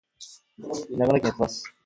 長野県諏訪市